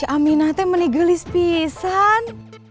aminah tuh menegelis pisan